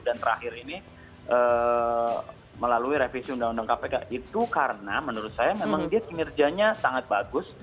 dan terakhir ini melalui revisi undang undang kpk itu karena menurut saya memang dia kinerjanya sangat bagus